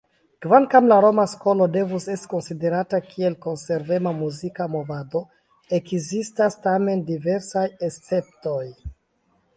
Kvankam la "Roma Skolo" devus esti konsiderata kiel konservema muzika movado, ekzistas tamen diversaj esceptoj.